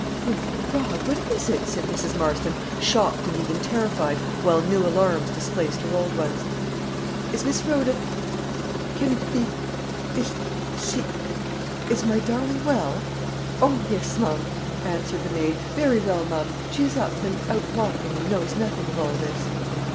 "Good God! What is it?" said Mrs. Marston, shocked and even terrified, while new alarms displaced her old ones. "Is Miss Rhoda can it be is she is my darling well?" "Oh, yes, ma'am," answered the maid, "very well, ma'am; she is up, and out walking and knows nothing of all this."